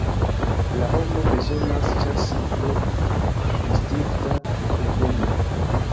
La homo bezonas ĉasi pro instinkta predemo.